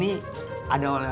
dia orang kalian